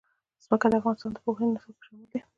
ځمکه د افغانستان د پوهنې نصاب کې شامل دي.